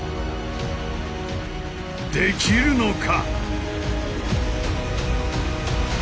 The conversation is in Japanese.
できるのか！